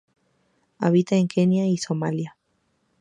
Habita en Kenia y Somalia.